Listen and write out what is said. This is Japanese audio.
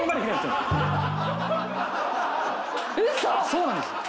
そうなんですよ。